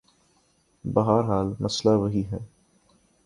بہرحال مسئلہ وہی ہے۔